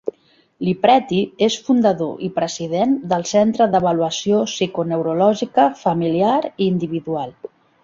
Li Preti és fundador i president del centre d'avaluació psiconeurològica familiar i individual.